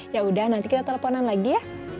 ya udah nanti kita teleponan lagi ya